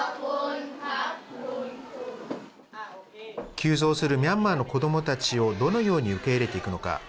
急増するミャンマーの子どもたちをどのように受け入れていくのか。